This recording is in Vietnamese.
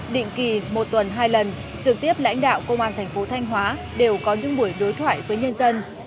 định kỳ một tuần hai lần trực tiếp lãnh đạo công an thành phố thanh hóa đều có những buổi đối thoại với nhân dân